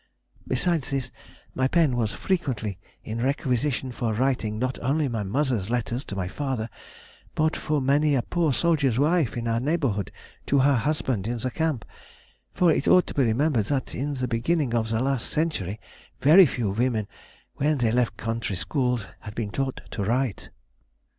Besides this my pen was frequently in requisition for writing not only my mother's letters to my father, but for many a poor soldier's wife in our neighbourhood to her husband in the camp: for it ought to be remembered that in the beginning of the last century very few women, when they left country schools, had been taught to write."